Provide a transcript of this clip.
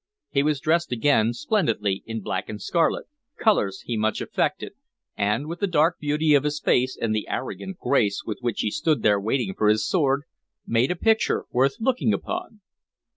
He was dressed again splendidly in black and scarlet, colors he much affected, and, with the dark beauty of his face and the arrogant grace with which he stood there waiting for his sword, made a picture worth looking upon.